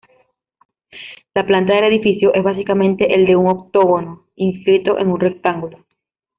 La planta del edificio es básicamente el de un octógono inscrito en un rectángulo.